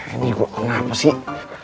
ini gue kenapa sih